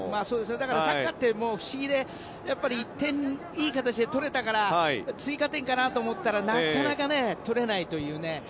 そうですね、だからサッカーって不思議で１点、いい形で取れたから追加点かなと思ったらなかなか取れないというね。